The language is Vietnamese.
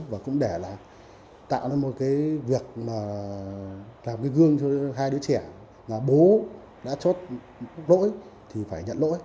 và cũng để là tạo ra một cái việc mà làm cái gương cho hai đứa trẻ là bố đã chốt lỗi thì phải nhận lỗi